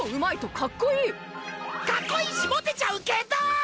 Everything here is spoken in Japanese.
かっこいいしモテちゃうけど！